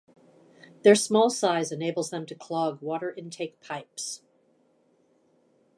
Their small size enables them to clog water intake pipes.